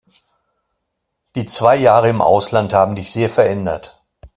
Die zwei Jahre im Ausland haben dich sehr verändert.